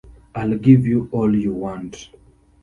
I'll give you all you want.